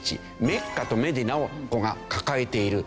メッカとメディナをここが抱えている。